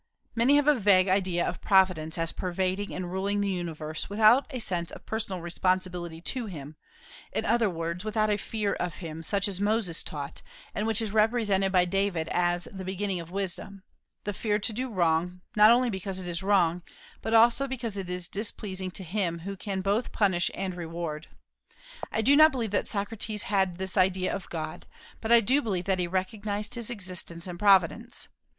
Many have a vague idea of Providence as pervading and ruling the universe, without a sense of personal responsibility to Him; in other words, without a "fear" of Him, such as Moses taught, and which is represented by David as "the beginning of wisdom," the fear to do wrong, not only because it is wrong, but also because it is displeasing to Him who can both punish and reward. I do not believe that Socrates had this idea of God; but I do believe that he recognized His existence and providence.